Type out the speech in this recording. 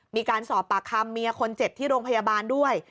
มีการสอบปากคำเมียคนเจ็บที่โรงพยาบาลด้วย